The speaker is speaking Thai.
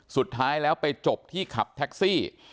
สุดท้ายแล้วไปจบที่ขับแท็กซี่